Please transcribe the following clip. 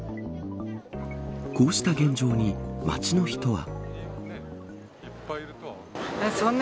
こうした現状に、街の人は。